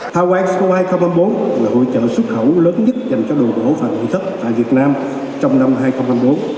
thao quang số hai nghìn ba mươi bốn là hội chợ xuất khẩu lớn nhất dành cho đồ gỗ và nội thất tại việt nam trong năm hai nghìn ba mươi bốn